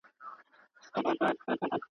کډه وکړه هغه ښار ته چي آباد سې.